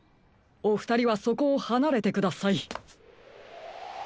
おふたりはそこをはなれてください！